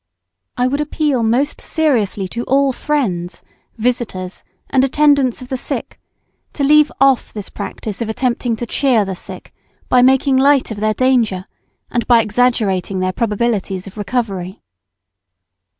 I would appeal most seriously to all friends, visitors, and attendants of the sick to leave off this practice of attempting to "cheer" the sick by making light of their danger and by exaggerating their probabilities of recovery.